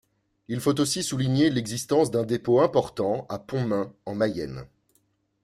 Il faut aussi souligner l'existence d'un dépôt important à Pontmain en Mayenne.